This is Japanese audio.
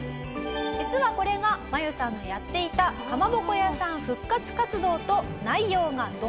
実はこれがマユさんのやっていたかまぼこ屋さん復活活動と内容がドンピシャ。